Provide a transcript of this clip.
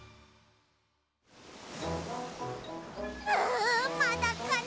うまだかな。